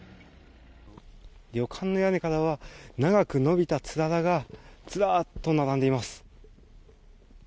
旅館の屋根からは長く伸びたつららがずらっと並んでいます。